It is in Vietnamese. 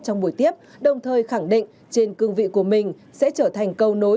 trong buổi tiếp đồng thời khẳng định trên cương vị của mình sẽ trở thành câu nối